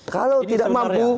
kalau tidak mampu